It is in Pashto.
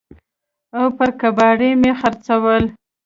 او پر کباړي مې خرڅول.